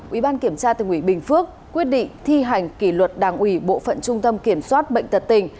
ubktnb phước quyết định thi hành kỷ luật đảng uy bộ phận trung tâm kiểm soát bệnh tật tình